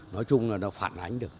nói chung là nó phản ánh được